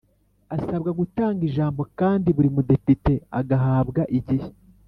Asabwa gutanga ijambo kandi buri Mudepite agahabwa igihe